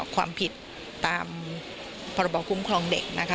ความผิดตามปคมเด็ก